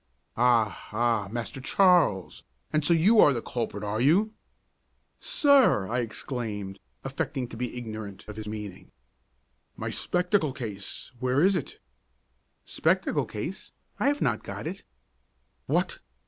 "Ah, ah, Master Charles, and so you are the culprit, are you?" "Sir!" I exclaimed, affecting to be ignorant of his meaning. "My spectacle case where is it?" "Spectacle case? I have not got it." "What!